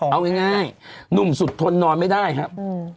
เอาง่ายหนุ่มสุดทนนอนไม่ได้ครับ